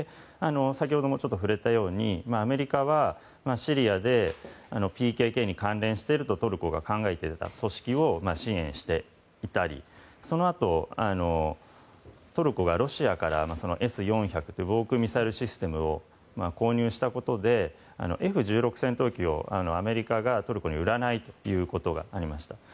先ほども触れたようにアメリカはシリアでＰＫＫに関連しているとトルコが考えていた組織を支援していたりそのあとトルコがロシアからＳ４００という防空ミサイルシステムを購入したことでＦ１６戦闘機をアメリカがトルコに売らないということがありました。